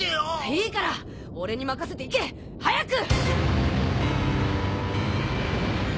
いいから俺に任せて行け！早く！